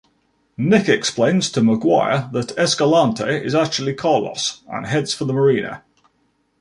Nick explains to Maguire that Escalante is actually Carlos and heads for the marina.